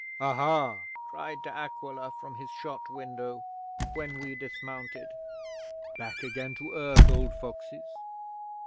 "Aha!" cried De Aquila from his shot window, when we dismounted. "Back again to earth, old foxes?"